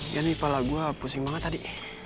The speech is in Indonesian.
ya nih kalau gue pusing banget tadi